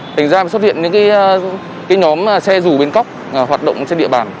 thành ra xuất hiện những nhóm xe rù bên cóc hoạt động trên địa bàn